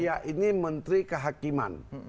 ya ini menteri kehakiman